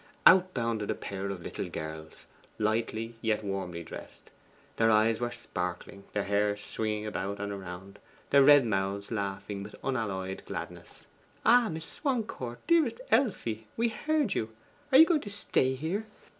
Out bounded a pair of little girls, lightly yet warmly dressed. Their eyes were sparkling; their hair swinging about and around; their red mouths laughing with unalloyed gladness. 'Ah, Miss Swancourt: dearest Elfie! we heard you. Are you going to stay here?